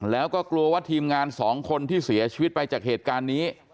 แล้วก็กลัวว่าทีมงาน๒คนที่เสียชีวิตไปจากเหตุการณ์นี้